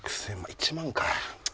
１万か。